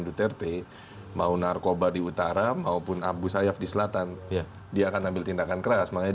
duterte mau narkoba di utara maupun abu sayyaf di selatan dia akan ambil tindakan keras makanya